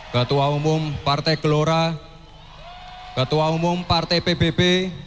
ketua umum partai gelora ketua umum partai pbb